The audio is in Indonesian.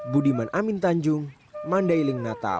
budiman amin tanjung mandailing natal